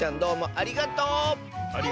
ありがとう！